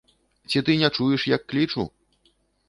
Ці ты не чуеш, як клічу?